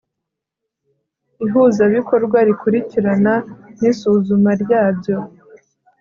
ihuzabikorwa rikurikirana n isuzuma ryabyo